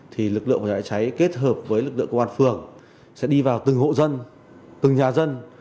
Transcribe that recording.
thì lực lượng phòng cháy kết hợp với lực lượng cơ quan phường sẽ đi vào từng hộ dân từng nhà dân